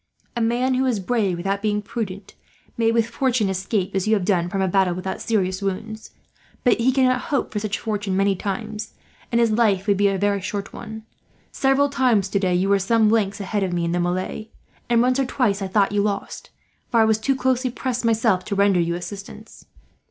A man who is brave without being prudent may, with fortune, escape as you have done from a battle without serious wounds; but he cannot hope for such fortune many times, and his life would be a very short one. Several times today you were some lengths ahead of me in the melee; and once or twice I thought you lost, for I was too closely pressed, myself, to render you assistance.